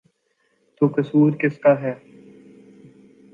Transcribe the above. تو قصور کس کا ہے؟